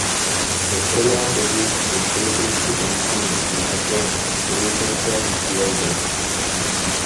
Po stranách lodi jsou symetricky umístěny boční kaple trojboce uzavřené.